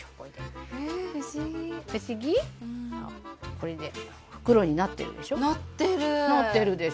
これで袋になってるでしょ？